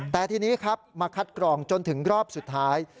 แต่ทีนี้ครับมาคัดกรองจนถึงรอบสุดท้าย